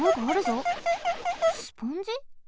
スポンジ？